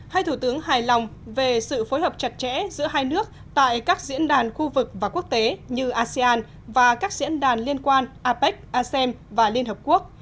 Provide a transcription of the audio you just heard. hai thủ tướng hài lòng về sự phối hợp chặt chẽ giữa hai nước tại các diễn đàn khu vực và quốc tế như asean và các diễn đàn liên quan apec asem và liên hợp quốc